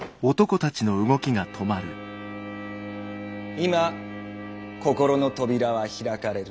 今心の扉は開かれる。